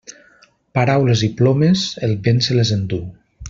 Paraules i plomes, el vent se les enduu.